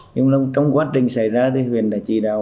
nhưng trong quá trình xảy ra thì huyện đã chỉ đạo